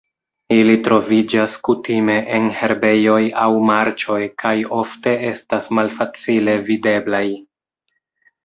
Ili troviĝas kutime en herbejoj aŭ marĉoj kaj ofte estas malfacile videblaj.